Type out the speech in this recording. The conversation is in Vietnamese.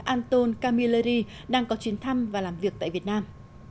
anton kamilery đang có chuyến thăm và làm việc tại việt nam